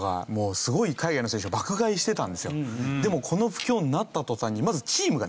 でもこの不況になった途端に。